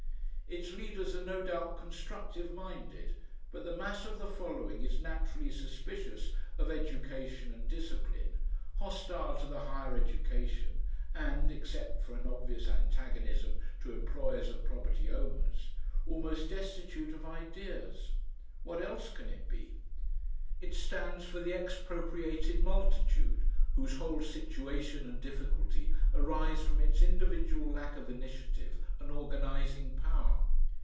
Its leaders are no doubt constructive minded, but the mass of the following is naturally suspicious of education and discipline, hostile to the higher education, and except for an obvious antagonism to employers and property owners almost destitute of ideas. What else can it be? It stands for the expropriated multitude, whose whole situation and difficulty arise from its individual lack of initiative and organising power.